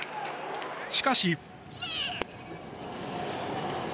しかし。